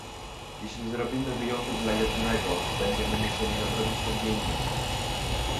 Jeśli zrobimy wyjątek dla jednego, będziemy musieli nadrobić to gdzie indziej